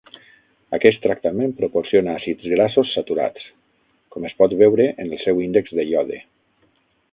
Aquest tractament proporciona àcids grassos saturats, com es pot veure en el seu índex de iode.